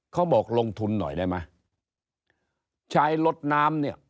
เขาบอกลงทุนหน่อยได้ไหมใช้ลดน้ำเนี่ย